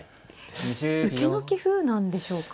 受けの棋風なんでしょうか。